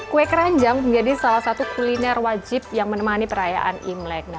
kue keranjang menjadi salah satu kuliner wajib yang menemani perayaan imlek